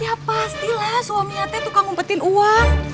ya pastilah suaminya tuh kan ngumpetin uang